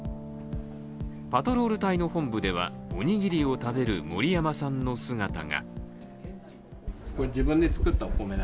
パトロール隊の本部ではおにぎりを食べる森山さんの姿が。